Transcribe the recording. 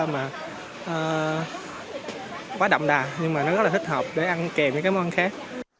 mà quá đậm đà nhưng mà nó rất là thích hợp để ăn kèm với các món khác